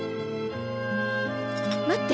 待って！